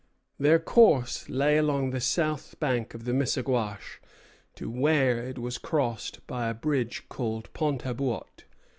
Their course lay along the south bank of the Missaguash to where it was crossed by a bridge called Pont à Buot.